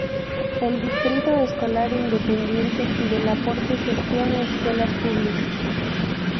El Distrito Escolar Independiente de La Porte gestiona escuelas públicas.